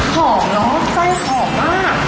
หอมเนาะใสหอมมาก